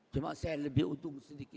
cuma saya lebih untung sedikit